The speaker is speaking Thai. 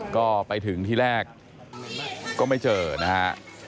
ก็ไปถึงที่แรกก็ไม่เจอนะฮะ